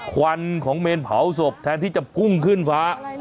ควันของเมนเผาศพแทนที่จะพุ่งขึ้นฟ้า